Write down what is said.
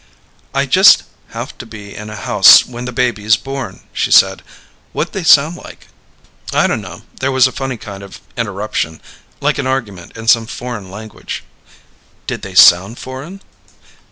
"I just have to be in a house when the baby's born," she said. "What'd they sound like?" "I dunno. There was a funny kind of interruption like an argument in some foreign language." "Did they sound foreign?"